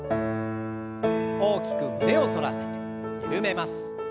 大きく胸を反らせてゆるめます。